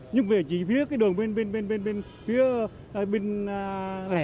nhưng về chỉ phía cái đường bên bên bên bên bên bên bên lẻ